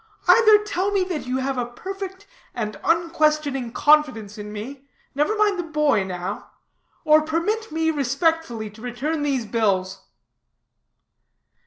Either tell me that you have a perfect and unquestioning confidence in me (never mind the boy now) or permit me respectfully to return these bills."